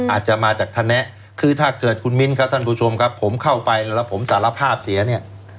อาจจะมาจากทะแนะคือถ้าเกิดคุณมิ้นครับท่านผู้ชมครับผมเข้าไปแล้วผมสารภาพเสียเนี่ย